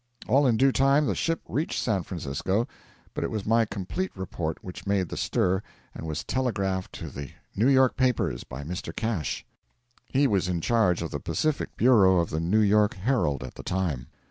All in due time the ship reached San Francisco, but it was my complete report which made the stir and was telegraphed to the New York papers, by Mr. Cash; he was in charge of the Pacific bureau of the 'New York Herald' at the time.